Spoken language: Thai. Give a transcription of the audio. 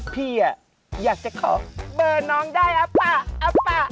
พี่อยากจะขอเบอร์น้องได้อปะ